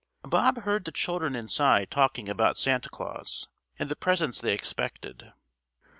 Bob heard the children inside talking about Santa Claus and the presents they expected.